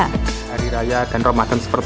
hari raya kan